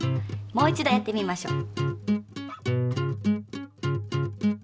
もう一度やってみましょう。